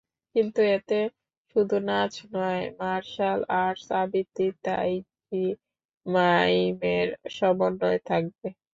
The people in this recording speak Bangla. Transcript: কিন্তু এতে শুধু নাচ নয়, মার্শাল আর্টস, আবৃত্তি, তাইচি, মাইমের সমন্বয় থাকবে।